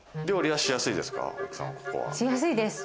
しやすいです。